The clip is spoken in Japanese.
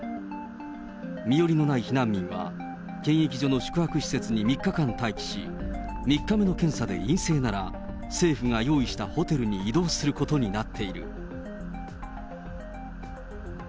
身寄りのない避難民は、検疫所の宿泊施設に３日間待機し、３日目の検査で陰性なら、政府が用意したホテルに移動することになっている。